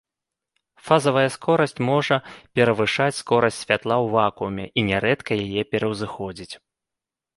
Фазавая скорасць можа перавышаць скорасць святла ў вакууме, і нярэдка яе пераўзыходзіць.